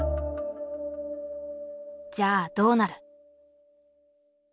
じゃあどうなる？